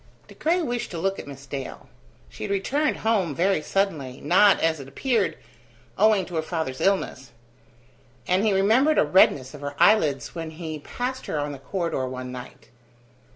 De Craye wished to look at Miss Dale. She had returned home very suddenly, not, as it appeared, owing to her father's illness; and he remembered a redness of her eyelids when he passed her on the corridor one night.